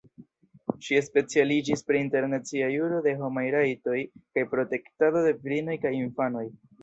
Ŝi specialiĝis pri Internacia juro de homaj rajtoj kaj protektado de virinoj kaj infanoj.